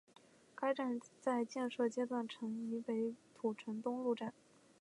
该站在建设阶段曾称北土城东路站。